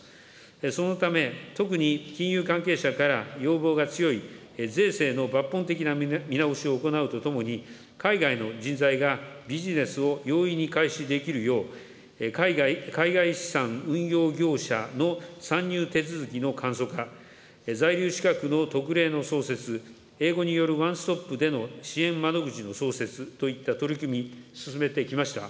そのため、特に金融関係者から要望が強い税制の抜本的な見直しを行うとともに、海外の人材がビジネスを容易に開始できるよう、海外資産運用業者の参入手続きの簡素化、在留資格の特例の創設、英語によるワンストップでの支援窓口の創設といった取り組みを進めてきました。